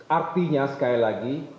artinya sekali lagi